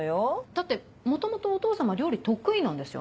だって元々お父さま料理得意なんですよね？